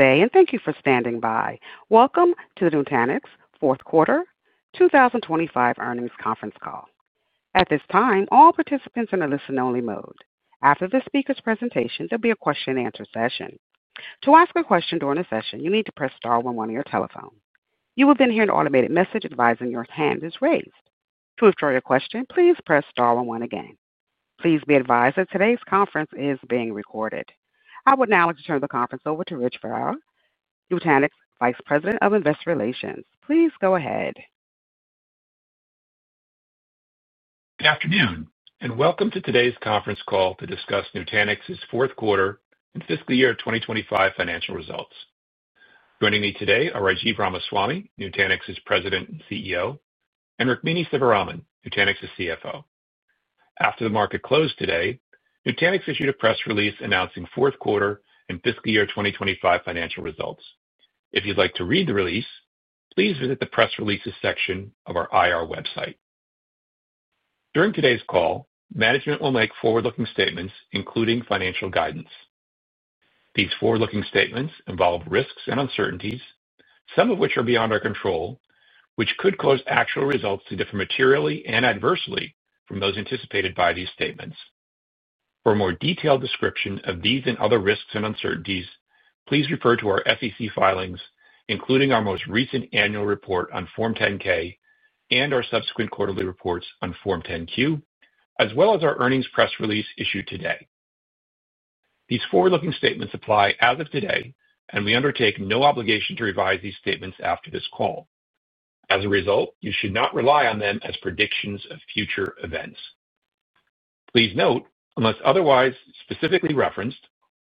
Day and thank you for standing by. Welcome to the Nutanix fourth quarter 2025 earnings conference call. At this time, all participants are in a listen only mode. After the speaker's presentation, there will be. A question and answer session. ask a question during a session. You need to press star one one on your telephone. You will then hear an automated message advising your hand is raised to observe your question. Please press star one one again. Please be advised that today's conference is being recorded. I would now like to turn the conference over to Rich Valera, Nutanix Vice President of Investor Relations. Please go ahead. Good afternoon and welcome to today's conference call to discuss Nutanix's fourth quarter and fiscal year 2025 financial results. Joining me today are Rajiv Ramaswami, Nutanix's President and CEO, and Rukmini Sivaraman, Nutanix's CFO. After the market closed today, Nutanix issued a press release announcing fourth quarter and fiscal year 2025 financial results. If you'd like to read the release, please visit the Press Releases section of our IR website. During today's call, management will make forward-looking statements including financial guidance. These forward-looking statements involve risks and uncertainties, some of which are beyond our control, which could cause actual results to differ materially and adversely from those anticipated by these statements. For a more detailed description of these and other risks and uncertainties, please refer to our SEC filings, including our most recent annual report on Form 10-K and our subsequent quarterly reports on Form 10-Q, as well as our earnings press release issued today. These forward-looking statements apply as of today too, and we undertake no obligation to revise these statements after this call. As a result, you should not rely on them as predictions of future events. Please note, unless otherwise specifically referenced,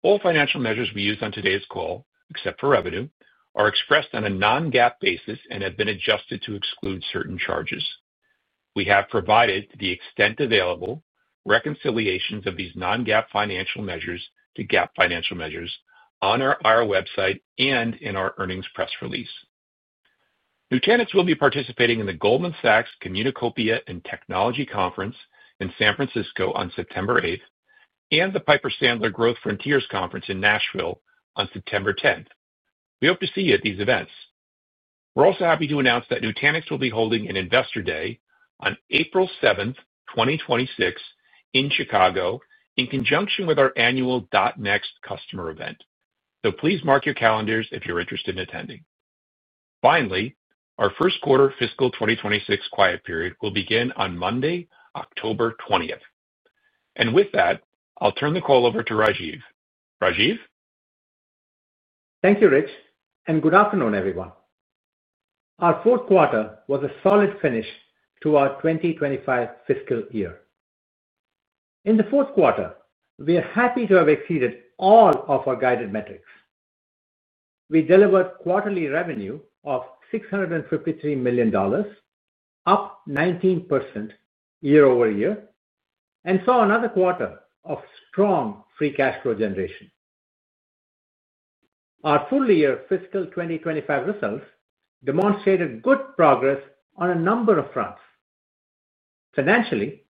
all financial measures we use on today's call, except for revenue, are expressed on a non-GAAP basis and have been adjusted to exclude certain charges. We have provided, to the extent available, reconciliations of these non-GAAP financial measures to GAAP financial measures on our IR website and in our earnings press release. Nutanix will be participating in the Goldman Sachs Communacopia and Technology Conference in San Francisco on September 8th and the Piper Sandler Growth Frontiers Conference in Nashville on September 10th. We hope to see you at these events. We're also happy to announce that Nutanix will be holding an Investor Day on April 7th, 2026, in Chicago in conjunction with our annual Next Customer event. Please mark your calendars if you're interested in attending. Finally, our first quarter fiscal 2026 quiet period will begin on Monday, October 20, and with that I'll turn the call over to Rajiv. Rajiv, thank you Rich, and good afternoon everyone. Our fourth quarter was a solid finish to our 2025 fiscal year. In the fourth quarter, we are happy to have exceeded all of our guided metrics. We delivered quarterly revenue of $653 million, up 19% year-over-year, and saw another quarter of strong free cash flow generation. Our full year fiscal 2025 results demonstrated good progress on a number of fronts. Financially,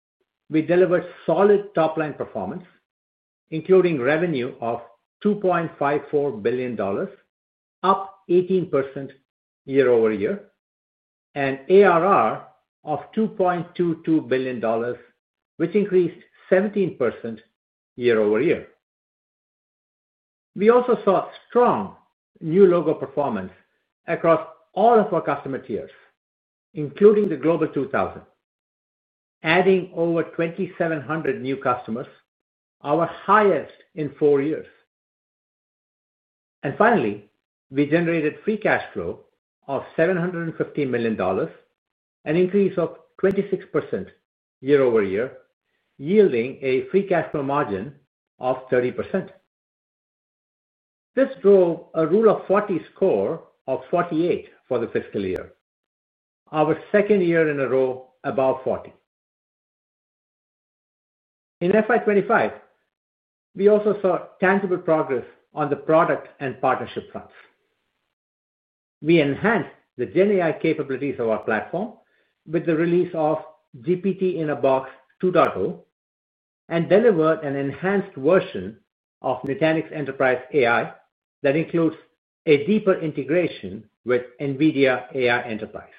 we delivered solid top line performance, including revenue of $2.54 billion, up 18% year-over-year, and ARR of $2.22 billion, which increased 17% year-over-year. We also saw strong new logo performance across all of our customer tiers, including the Global 2000, adding over 2,700 new customers, our highest in four years. Finally, we generated free cash flow of $750 million, an increase of 26% year-over-year, yielding a free cash flow margin of 30%. This drove a Rule of 40 score of 48 for the fiscal year, our second year in a row above 40 in FY2025. We also saw tangible progress on the product and partnership fronts. We enhanced the GenAI capabilities of our platform with the release of GPT-in-a-Box 2.0 and delivered an enhanced version of Nutanix Enterprise AI that includes a deeper integration with NVIDIA AI Enterprise.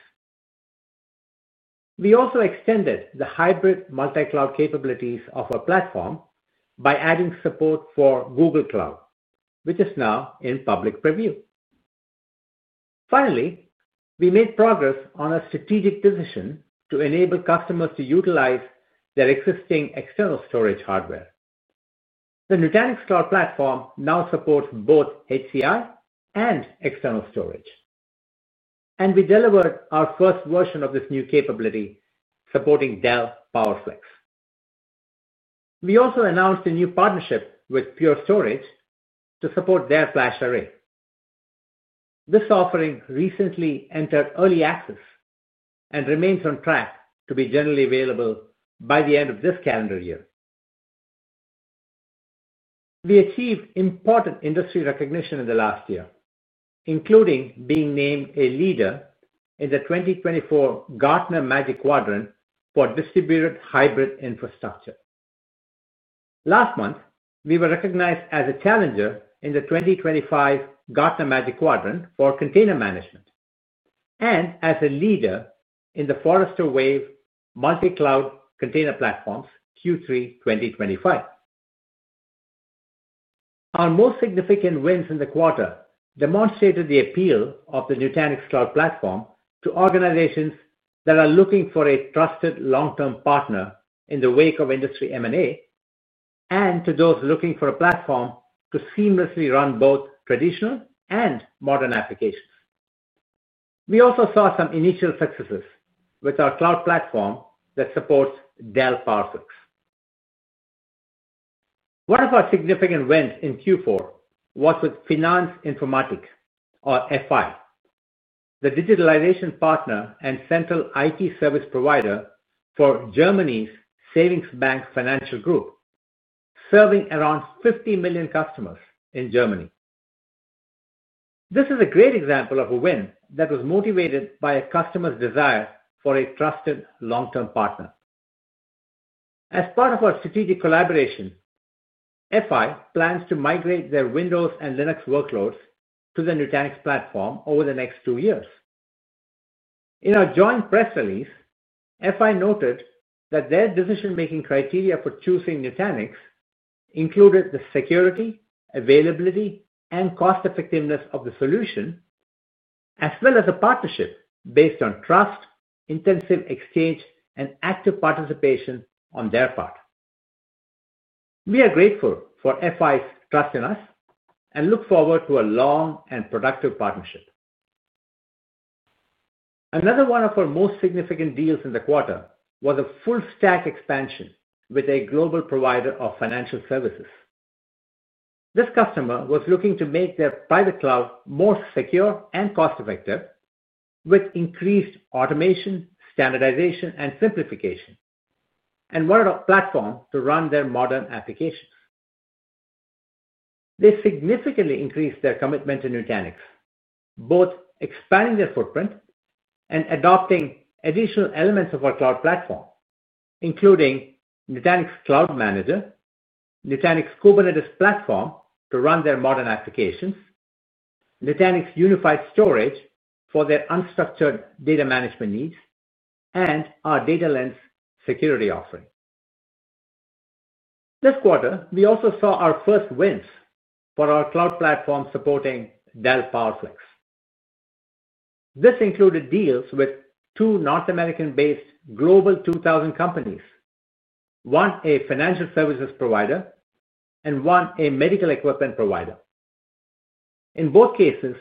We also extended the hybrid multicloud capabilities of our platform by adding support for Google Cloud, which is now in public preview. Finally, we made progress on a strategic decision to enable customers to utilize their existing external storage hardware. The Nutanix Cloud Platform now supports both HCI and external storage, and we delivered our first version of this new capability supporting Dell PowerFlex. We also announced a new partnership with Pure Storage to support their FlashArray. This offering recently entered early access and remains on track to be generally available by the end of this calendar year. We achieved important industry recognition in the last year, including being named a Leader in the 2024 Gartner Magic Quadrant for Distributed Hybrid Infrastructure. Last month, we were recognized as a Challenger in the 2025 Gartner Magic Quadrant for Container Management and as a Leader in the Forrester Wave Multicloud Container Platforms Q3 2025. Our most significant wins in the quarter demonstrated the appeal of the Nutanix Cloud Platform to organizations that are looking for a trusted long-term partner in the wake of industry M&A and to those looking for a platform to seamlessly run both traditional and modern applications. We also saw some initial successes with our cloud platform that supports Dell PowerFlex. One of our significant wins in Q4 was with Finanz Informatik, or FI, the digitalization partner and central IT service provider for Germany's Savings Bank Financial Group serving around 50 million customers in Germany. This is a great example of a win that was motivated by a customer's desire for a trusted long-term partner. As part of our strategic collaboration, FI plans to migrate their Windows and Linux workloads to the Nutanix platform over the next two years. In our joint press release, FI noted that their decision-making criteria for choosing Nutanix included the security, availability, and cost-effectiveness of the solution as well as a partnership based on trust, intensive exchange, and active participation on their part. We are grateful for FI's trust in us and look forward to a long and productive partnership. Another one of our most significant deals in the quarter was a full stack expansion with a global provider of financial services. This customer was looking to make their private cloud more secure and cost-effective with increased automation, standardization, and simplification and wanted a platform to run their modern applications. They significantly increased their commitment to Nutanix, both expanding their footprint and adopting additional elements of our cloud platform including Nutanix Cloud Manager, Nutanix Kubernetes Platform to run their modern applications, Nutanix Unified Storage for their unstructured data management needs, and our Data Lens security offering. This quarter we also saw our first wins for our cloud platform supporting Dell PowerFlex. This included deals with two North American-based Global 2000 companies, one a financial services provider and one a medical equipment provider. In both cases,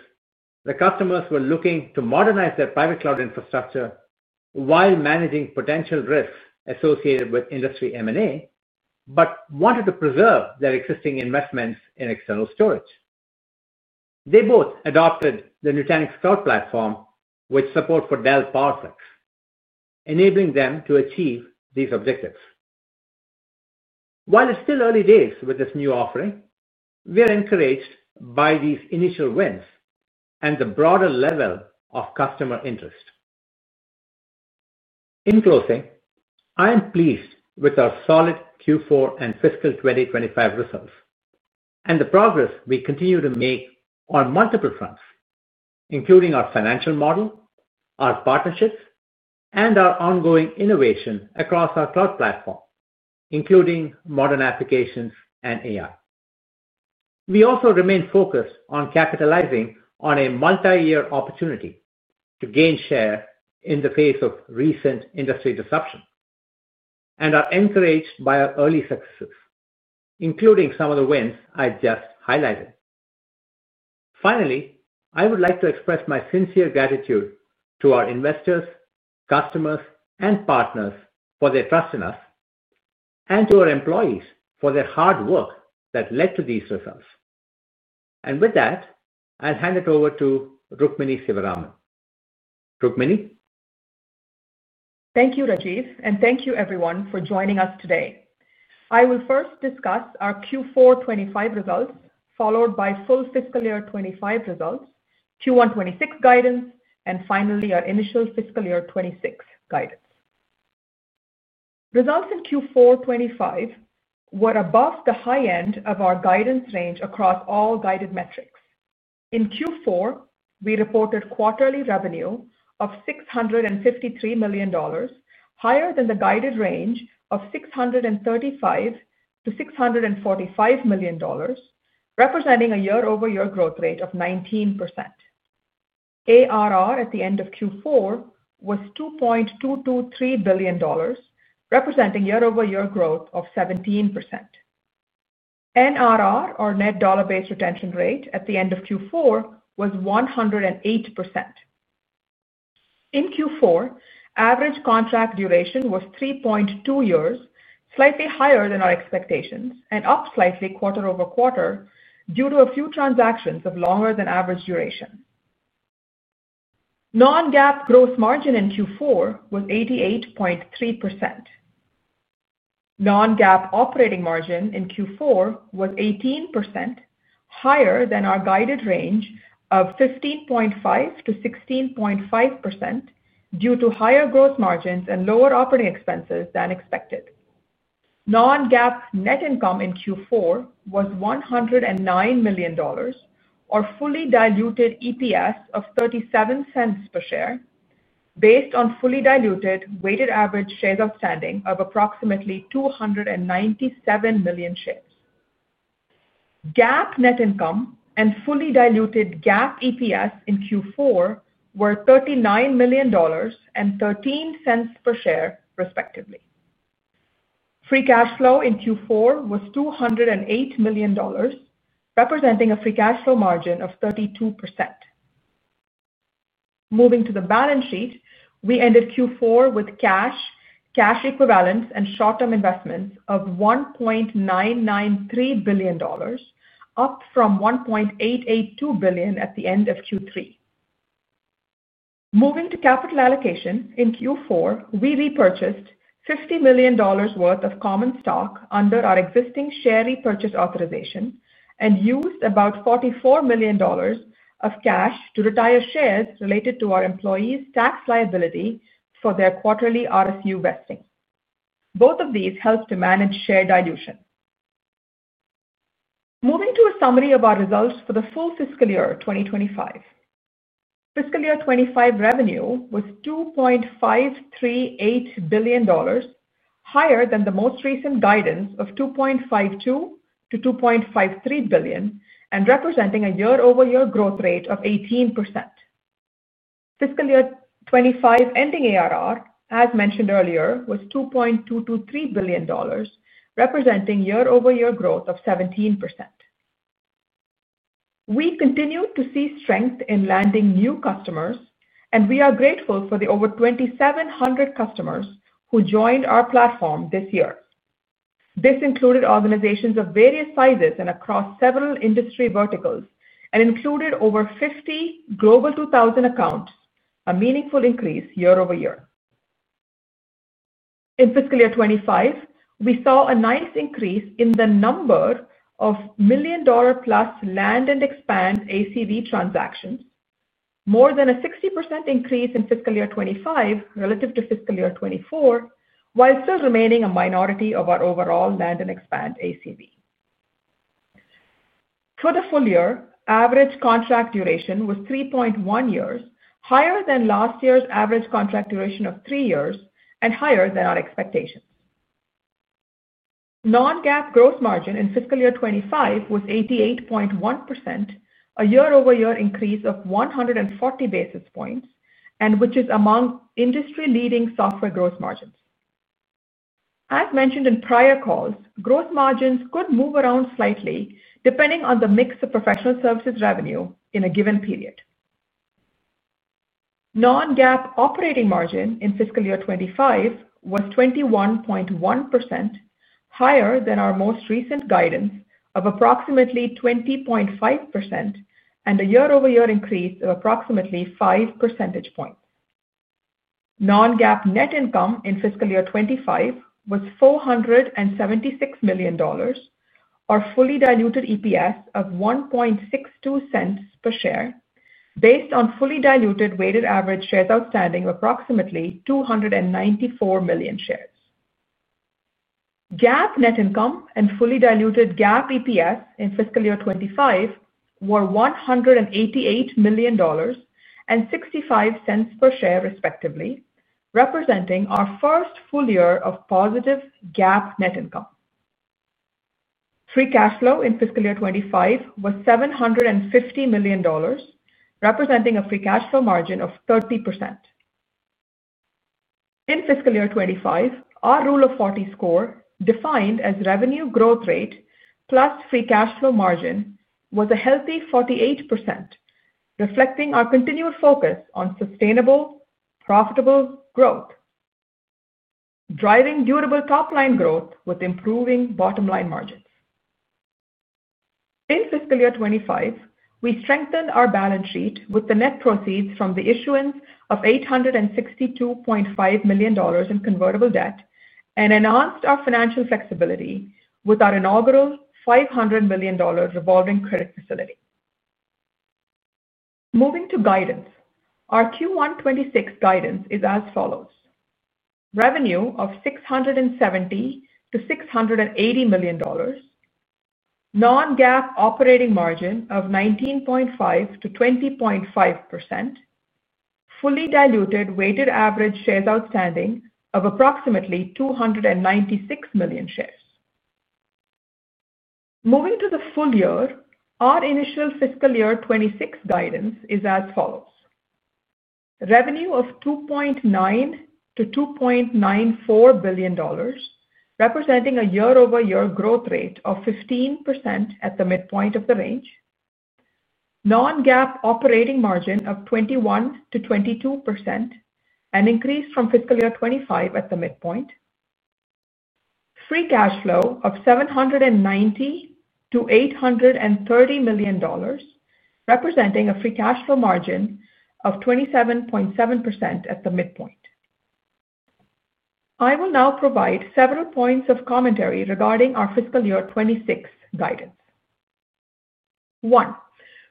the customers were looking to modernize their private cloud infrastructure while managing potential risks associated with industry M&A, but wanted to preserve their existing investments in external storage. They both adopted the Nutanix Cloud Platform with support for Dell PowerFlex, enabling them to achieve these objectives. While it's still early days with this new offering, we are encouraged by these initial wins and the broader level of customer interest. In closing, I am pleased with our solid Q4 and fiscal 2025 results and the progress we continue to make on multiple fronts including our financial model, our partnerships, and our ongoing innovation across our cloud platform including modern applications and AI. We also remain focused on capitalizing on a multi-year opportunity to gain share in the face of recent industry disruption and are encouraged by our early successes, including some of the wins I just highlighted. Finally, I would like to express my sincere gratitude to our investors, customers, and partners for their trust in us and to our employees for their hard work that led to these results. With that, I'll hand it over to Rukmini Sivaraman. Rukmini, thank you, Rajiv. Thank you everyone for joining us today. I will first discuss our Q4 2025 results followed by full fiscal year 2025 results, Q1 2026 guidance, and finally our initial fiscal year 2026 guidance. Results in Q4 2025 were above the high end of our guidance range. Across all guided metrics in Q4, we reported quarterly revenue of $653 million, higher than the guided range of $635 million-$645 million, representing a year-over-year growth rate of 19%. ARR at the end of Q4 was $2.223 billion, representing year-over-year growth of 17%. NRR, or net dollar based retention rate, at the end of Q4 was 108%. In Q4, average contract duration was 3.2 years, slightly higher than our expectations and up slightly quarter-over-quarter due to a few transactions of longer than average duration. Non-GAAP gross margin in Q4 was 88.3%. Non-GAAP operating margin in Q4 was 18%, higher than our guided range of 15.5%-16.5% due to higher gross margins and lower operating expenses than expected. Non-GAAP net income in Q4 was $109 million, or fully diluted EPS of $0.37 per share based on fully diluted weighted average shares outstanding of approximately 297 million shares. GAAP net income and fully diluted GAAP EPS in Q4 were $39 million and $0.13 per share, respectively. Free cash flow in Q4 was $208 million, representing a free cash flow margin of 32%. Moving to the balance sheet, we ended Q4 with cash, cash equivalents, and short term investments of $1.993 billion, up from $1.882 billion at the end of Q3. Moving to capital allocation, in Q4 we repurchased $50 million worth of common stock under our existing share repurchase authorization and used about $44 million of cash to retire shares related to our employees' tax liability for their quarterly RSU vesting. Both of these help to manage share dilution. Moving to a summary of our results for the full fiscal year 2025, fiscal year 2025 revenue was $2.538 billion, higher than the most recent guidance of $2.52 billion-$2.53 billion and representing a year-over-year growth rate of 18%. Fiscal year 2025 ending ARR, as mentioned earlier, was $2.223 billion, representing year-over-year growth of 17%. We continue to see strength in landing new customers and we are grateful for the over 2,700 customers who joined our platform this year. This included organizations of various sizes and across several industry verticals and included over 50 Global 2000 account, a meaningful increase year-over-year. In fiscal year 2025, we saw a nice increase in the number of million dollar plus land-and-expand ACV transactions, more than a 60% increase in fiscal year 2025 relative to fiscal year 2024, while still remaining a minority of our overall land-and-expand ACV for the full year. Average contract duration was 3.1 years, higher than last year's average contract duration of 3 years and higher than our expectations. Non-GAAP gross margin in fiscal year 2025 was 88.1%, a year-over-year increase of 140 basis points, and which is among industry leading software gross margins. As mentioned in prior calls, gross margins could move around slightly depending on the mix of professional services revenue in a given period. Non-GAAP operating margin in fiscal year 2025 was 21.1%, higher than our most recent guidance of approximately 20.5% and a year-over-year increase of approximately 5 percentage points. Non-GAAP net income in fiscal year 2025 was $476 million or fully diluted EPS of $1.62 per share based on fully diluted weighted average shares outstanding, approximately 294 million shares. GAAP net income and fully diluted GAAP EPS in fiscal year 2025 were $188 million and $0.65 per share, respectively, representing our first full year of positive GAAP net income. Free cash flow in fiscal year 2025 was $750 million, representing a free cash flow margin of 30% in fiscal year 2025. Our Rule of 40 score, defined as revenue growth rate plus free cash flow margin, was a healthy 48%, reflecting our continued focus on sustainable profitable growth driving durable top line growth with improving bottom line margins. In fiscal year 2025, we strengthened our balance sheet with the net proceeds from the issuance of $862.5 million in convertible debt and enhanced our financial flexibility with our inaugural $500 million revolving credit facility. Moving to guidance, our Q1 2026 guidance is as revenue of $670 million-$680 million, non-GAAP operating margin of 19.5%-20.5%, fully diluted weighted average shares outstanding of approximately 296 million shares. Moving to the full year, our initial fiscal year 2026 guidance is as follows. Revenue of $2.9 billion-$2.94 billion, representing a year-over-year growth rate of 15% at the midpoint of the range. Non-GAAP operating margin of 21%-22%, an increase from fiscal year 2025 at the midpoint. Free cash flow of $790 million-$830 million representing a free cash flow margin of 27.7% at the midpoint. I will now provide several points of commentary regarding our fiscal year 2026 guidance. 1.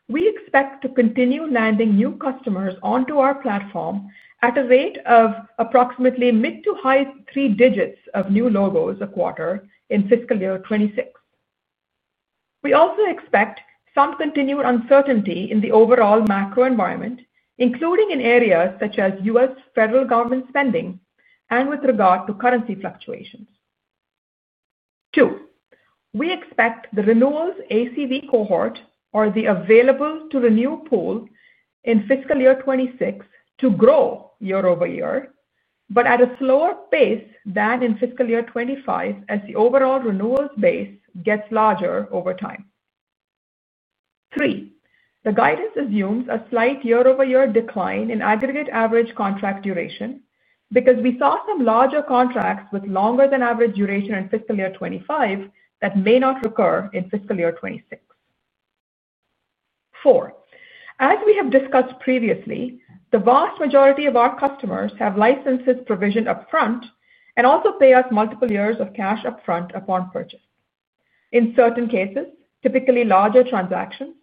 We expect to continue landing new customers onto our platform at a rate of approximately mid to high three digits of new logos a quarter in fiscal year 2026. We also expect some continued uncertainty in the overall macro environment, including in areas such as U.S. federal government spending and with regard to currency fluctuations. 2. We expect the renewals ACV cohort or the available to the new pool in fiscal year 2026 to grow year-over-year but at a slower pace than in fiscal year 2025 as the overall renewal base gets larger over time. 3. The guidance assumes a slight year-over-year decline in aggregate average contract duration because we saw some larger contracts with longer than average duration in fiscal year 2025 that may not recur in fiscal year 2026. 4. As we have discussed previously, the vast majority of our customers have licenses provisioned upfront and also pay us multiple years of cash upfront upon purchase. In certain cases, typically larger transactions,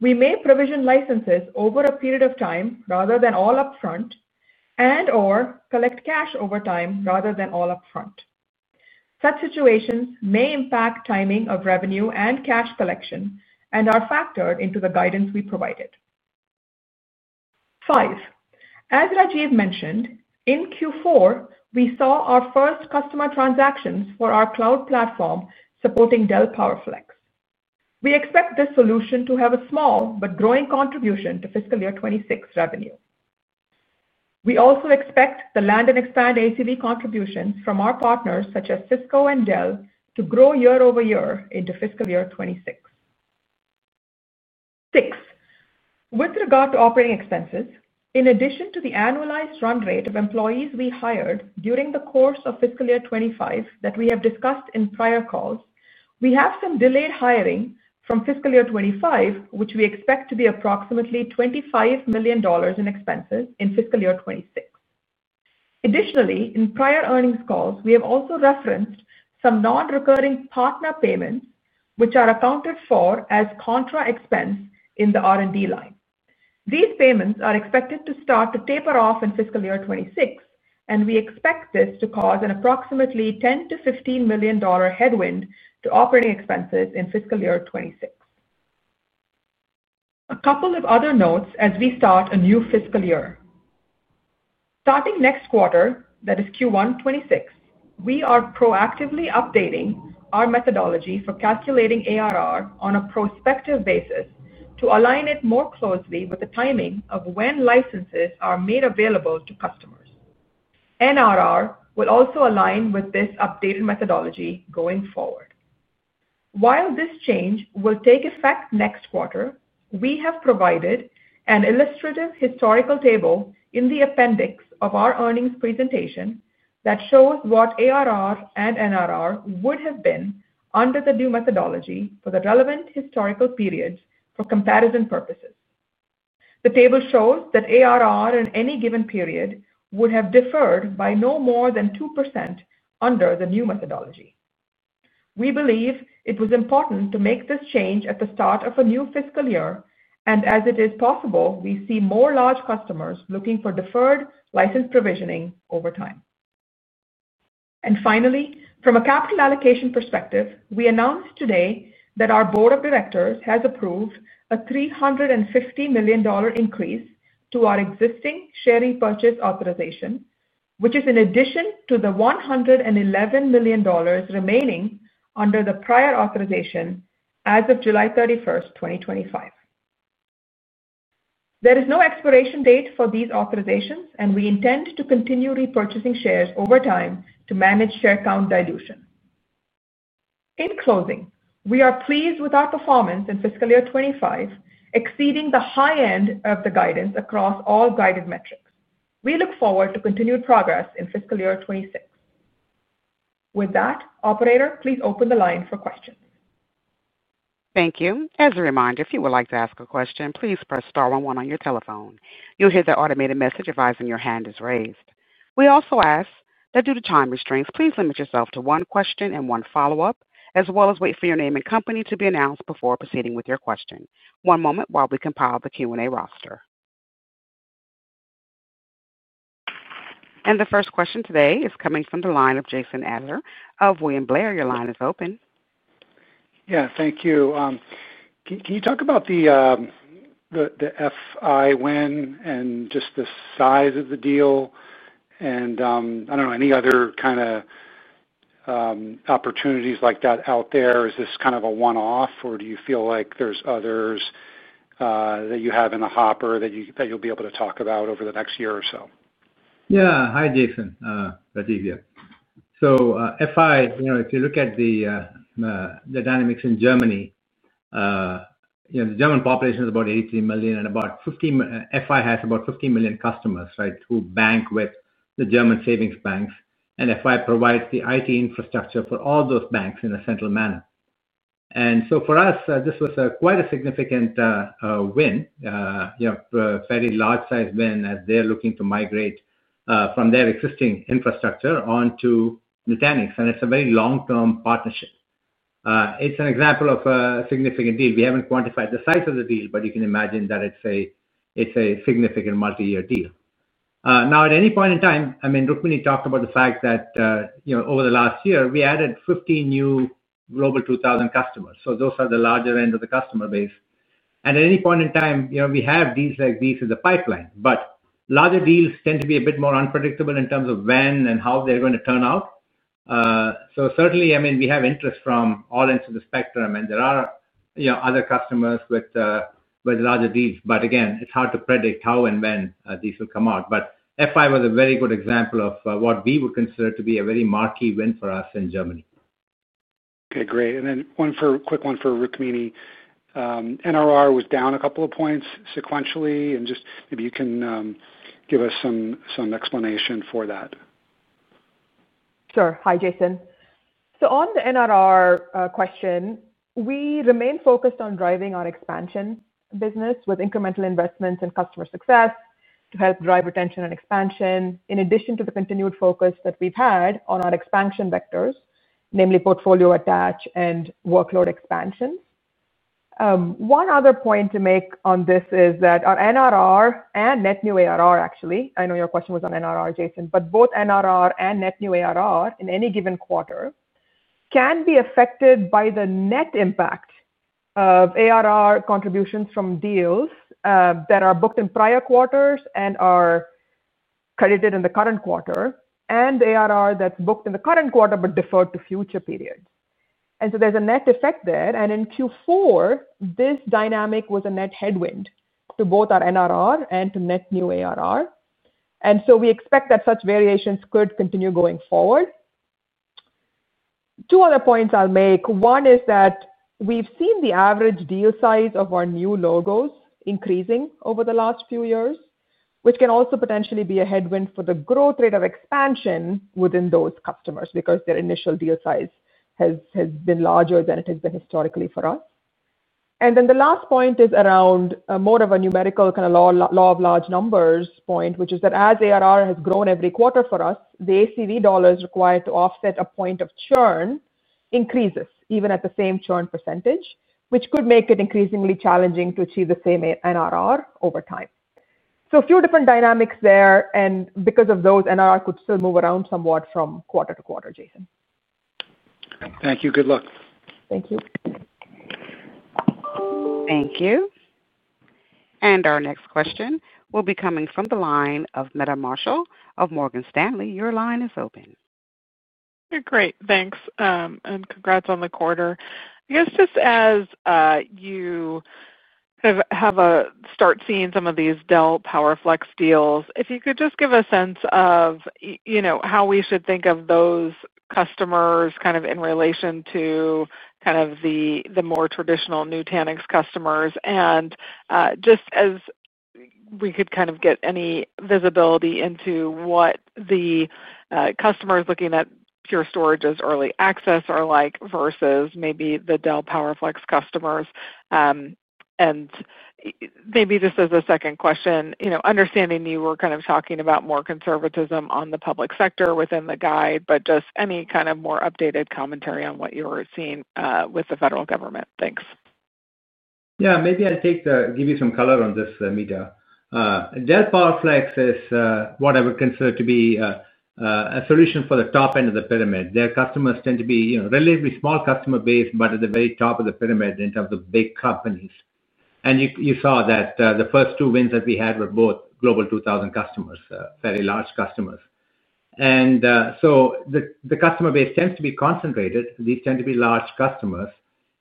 we may provision licenses over a period of time rather than all upfront and or collect cash over time rather than all upfront. Such situations may impact timing of revenue and cash collection and are factored into the guidance we provided. 5. As Rajiv mentioned, in Q4 we saw our first customer transactions for our cloud platform supporting Dell PowerFlex. We expect this solution to have a small but growing contribution to fiscal year 2026 revenue. We also expect the land-and-expand ACV contributions from our partners such as Cisco and Dell to grow year-over-year into fiscal year 2026. 6. With regard to operating expenses, in addition to the annualized run rate of employees we hired during the course of fiscal year 2025 that we have discussed in prior calls, we have some delayed hiring from fiscal year 2025 which we expect to be approximately $25 million in expenses in fiscal year 2026. Additionally, in prior earnings calls we have also referenced some non-recurring partner payments which are accounted for as contra expense in the R&D line. These payments are expected to start to taper off in fiscal year 2026 and we expect this to cause an approximately $10 million-$15 million headwind to operating expenses in fiscal year 2026. A couple of other notes as we start a new fiscal year starting next quarter, that is Q1 2026, we are proactively updating our methodology for calculating ARR on a prospective basis to align it more closely with the timing of when licenses are made available to customers. NRR will also align with this updated methodology going forward. While this change will take effect next quarter, we have provided an illustrative historical table in the appendix of our earnings presentation that shows what ARR and NRR would have been under the new methodology for the relevant historical periods for comparison purposes. The table shows that ARR in any given period would have differed by no more than 2% under the new methodology. We believe it was important to make this change at the start of a new fiscal year as it is possible we see more large customers looking for deferred license provisioning over time. Finally, from a capital allocation perspective, we announced today that our Board of Directors has approved a $350 million increase to our existing share repurchase authorization, which is in addition to the $111 million remaining under the prior authorization as of July 31st, 2025. There is no expiration date for these authorizations and we intend to continue repurchasing shares over time to manage share count dilution. In closing, we are pleased with our performance in fiscal year 2025, exceeding the high end of the guidance across all guided metrics. We look forward to continued progress in fiscal year 2026. With that, operator, please open the line for questions. Thank you. As a reminder, if you would like. To ask a question, please press star one one on your telephone. You'll hear the automated message advising your hand is raised. We also ask that due to time restraints, please limit yourself to one question and one follow up, as well as wait for your name and company to be announced before proceeding with your question. One moment while we compile the Q&A roster. The first question today is coming from the line of Jason Ader of William Blair. Your line is open. Thank you. Can you talk about the FI win and just the size of the deal, and any other kind of opportunities like that out there? Is this kind of a one-off, or do you feel like there's others that you have in the hopper that you'll be able to talk about over the next year or so? Yeah. Hi Jason. Rajiv. If you look at the dynamics in Germany, the German population is about 80 million and about 50. FI has about 50 million customers who bank with the German savings banks. FI provides the IT infrastructure for all those banks in a central manner. For us, this was quite a significant win, a fairly large size win as they're looking to migrate from their existing infrastructure onto Nutanix. It's a very long-term partnership. It's an example of a significant deal. We haven't quantified the size of the deal, but you can imagine that it's a significant multi-year deal now at any point in time. Rukmini talked about the fact that over the last year we added 15 new Global 2000 customers. Those are the larger end of the customer base. At any point in time, we have deals like these in the pipeline, but larger deals tend to be a bit more unpredictable in terms of when and how they're going to turn out. We have interest from all ends of the spectrum and there are other customers with larger deals. Again, it's hard to predict how and when these will come out. FI was a very good example of what we would consider to be a very marquee win for us in Germany. Okay, great. A quick one for Rukmini, NRR was down a couple of points sequentially and maybe you can give us some explanation for that. Sure. Hi Jason. On the NRR question, we remain focused on driving on expansion business with incremental investments and customer success to help drive retention and expansion. In addition to the continued focus that we've had on our expansion vectors, namely portfolio attach and workload expansion. One other point to make on this is that our NRR and net new ARR—actually, I know your question was on NRR, Jason, but both NRR and net new ARR in any given quarter can be affected by the net impact of ARR contributions from deals that are booked in prior quarters and are credited in the current quarter, and ARR that's booked in the current quarter but deferred to a future period. There is a net effect there. In Q4, this dynamic was a net headwind to both our NRR and to net new ARR. We expect that such variations could continue going forward. Two other points I'll make. One is that we've seen the average deal size of our new logos increasing over the last few years, which can also potentially be a headwind for the growth rate of expansion within those customers because their initial deal size has been larger than it has been historically for us. The last point is around more of a numerical kind of law of large numbers point, which is that as ARR has grown every quarter for us, the ACV dollars required to offset a point of churn increases even at the same churn percentage, which could make it increasingly challenging to achieve the same NRR over time. There are a few different dynamics there. Because of those, NRR could still move around somewhat from quarter-to-quarter. Jason, thank you. Good luck. Thank you. Thank you. Our next question will be coming from the line of Meta Marshall of Morgan Stanley. Your line is open. Great, thanks. Congrats on the quarter. I guess just as you have a start seeing some of these Dell PowerFlex deals, if you could just give a sense of how we should think of those customers kind of in relation to the more traditional Nutanix customers. If we could kind of get any visibility into what the customer is looking at Pure Storage as early access are like versus maybe the Dell PowerFlex customers. Maybe just as a second question, you know, understanding you were kind of talking about more conservatism on the public sector within the guide, just any kind of more updated commentary on what you were seeing with the federal government. Thanks. Maybe I'll give you some color on this, Meta. Dell PowerFlex is what I would consider to be a solution for the top end of the pyramid. Their customers tend to be a relatively small customer base, but at the very top of the pyramid in terms of big companies. You saw that the first two wins that we had were both Global 2000 customers, very large customers. The customer base tends to be concentrated. These tend to be large customers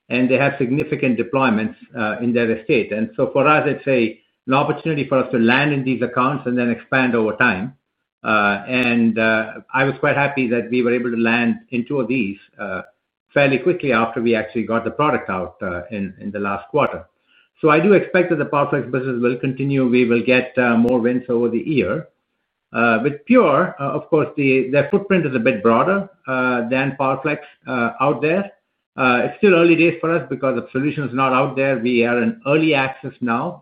and they have significant deployments in their estate. For us, it's an opportunity for us to land in these accounts and then expand over time. I was quite happy that we were able to land in two of these fairly quickly after we actually got the product out in the last quarter. I do expect that the PowerFlex business will continue. We will get more wins over the year with Pure. Of course, their footprint is a bit broader than PowerFlex out there. It's still early days for us because the solution is not out there. We are in early access now.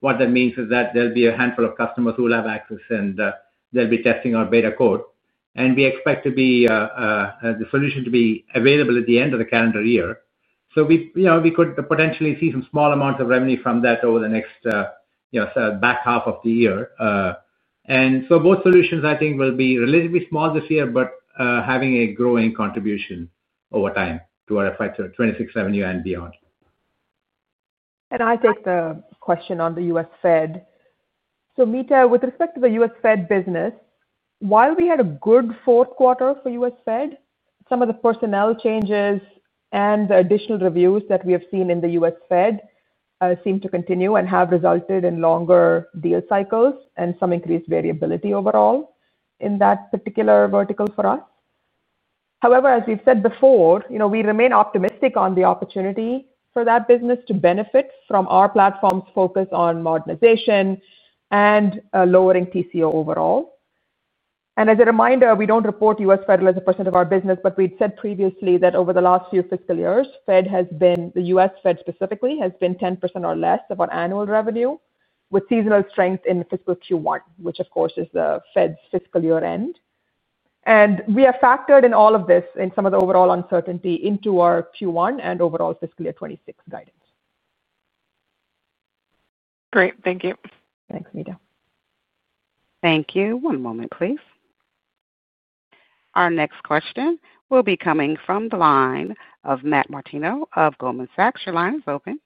What that means is that there'll be a handful of customers who will have access and they'll be testing our beta code and we expect the solution to be available at the end of the calendar year. We could potentially see some small amounts of revenue from that over the next back half of the year. Both solutions I think will be relatively small this year, but having a growing contribution over time to our 2026 revenue and beyond. I take the question on the U.S. Fed. Meta, with respect to the U.S. Fed business, while we had a good fourth quarter for U.S. Fed, some of the personnel changes and additional reviews that we have seen in the U.S. Fed seem to continue and have resulted in longer deal cycles and some increased variability overall in that particular vertical for us. However, as we've said before, we remain optimistic on the opportunity for that business to benefit from our platform's focus on modernization and lowering TCO overall. As a reminder, we don't report U.S. Federal as a percent of our business, but we'd said previously that over the last few fiscal years the U.S. Fed specifically has been 10% or less of annual revenue with seasonal strength in fiscal Q1, which of course is the Fed's fiscal year end. We have factored in all of this and some of the overall uncertainty into our Q1 and overall fiscal year 2026 guidance. Great. Thank you. Thanks, Meta. Thank you. One moment please. Our next question will be coming from the line of Matt Martino of Goldman Sachs. Your line is open.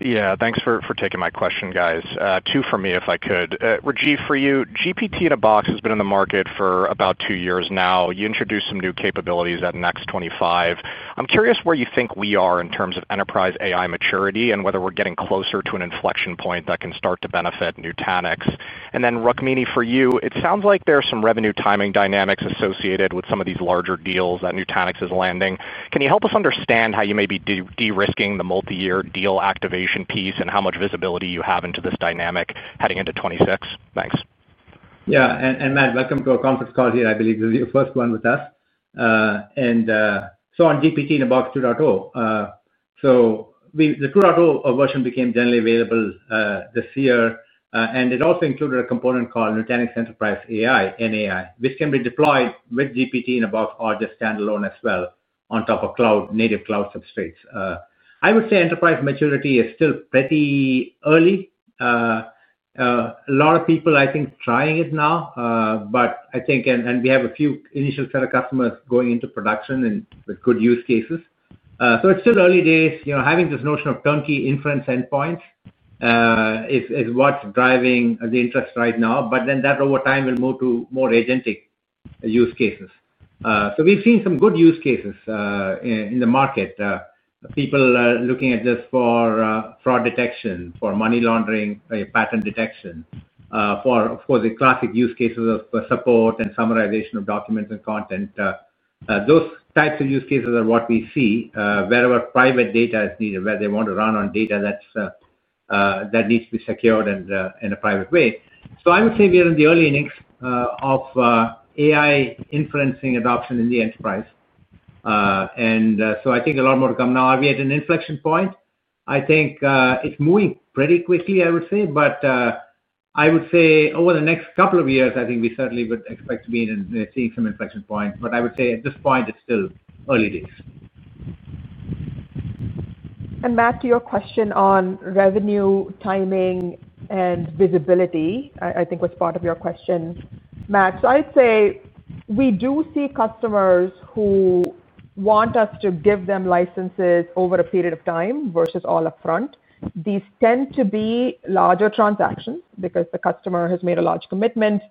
Yeah, thanks for taking my question guys. Two for me if I could. Rajiv, for you. GPT-in-a-Box has been in the market for about two years now. You introduced some capabilities at Next 25. I'm curious where you think we are in terms of enterprise AI maturity and whether we're getting closer to an inflection point that can start to benefit Nutanix. Rukmini, for you, it sounds like there are some revenue timing dynamics associated with some of these larger deals that Nutanix is landing. Can you help us understand how you may be de-risking the multi-year deal activation piece and how much visibility you have into this dynamic heading into 2026? Thanks. Matt, welcome to a conference call here. I believe this is your first one with us. GPT-in-a-Box 2.0, so the 2.0 version became generally available this year and it also included a component called Nutanix Enterprise AI, which can be deployed with GPT-in-a-Box or just standalone as well on top of cloud, native cloud. I would say enterprise maturity is still pretty early. A lot of people are trying it now, but I think we have a few initial set of customers going into production and with good use cases, so it's still early days. Having this notion of turnkey inference endpoints is what's driving the interest right now. That over time will move to more agentic use cases. We've seen some good use cases in the market, people looking at this for fraud detection, for money laundering, patent detection, and of course, the classic use cases of support and summarization of documents and content. Those types of use cases are what we see wherever private data is needed, where they want to run on data that needs to be secured and in a private way. I would say we are in the early innings of AI inferencing adoption in the enterprise. I think a lot more to come now. Are we at an inflection point? I think it's moving pretty quickly, but I would say over the next couple of years, we certainly would expect to be seeing some inflection point. At this point it's still early days. Matt, to your question on revenue, timing and visibility, I think was part of your questions, Matt. I'd say we do see customers who want us to give them licenses over a period of time versus all upfront. These tend to be larger transactions because the customer has made a large commitment